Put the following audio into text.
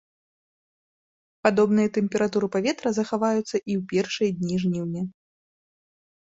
Падобныя тэмпературы паветра захаваюцца і ў першыя дні жніўня.